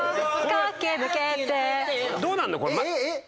どうなるの？